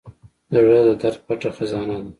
زړه د درد پټه خزانه ده.